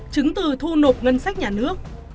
chứng từ thu nộp ngân sách nhà nước